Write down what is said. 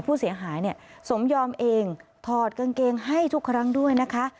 ผู้เสียหายเนี่ยสมยอมเองถอดกางเกงให้ทุกครั้งด้วยนะคะ